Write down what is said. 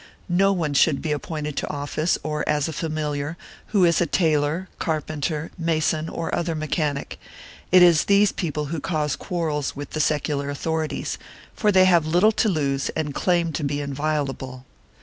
No one should be appointed to office, or as a familiar, who is a tailor, carpenter, mason or other mechanic ; it is these people who cause quarrels with the secular authorities, for they have little to lose and claim to be inviolable.